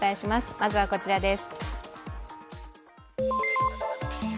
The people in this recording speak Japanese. まずはこちらです。